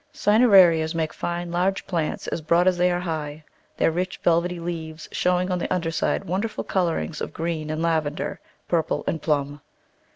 Cinerarias make fine, large plants, as broad as they are high, their rich, velvety leaves showing on the un der side wonderful colourings of green and lavender, purple and plum.